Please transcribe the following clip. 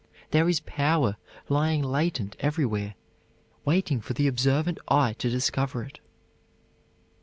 There is power lying latent everywhere waiting for the observant eye to discover it.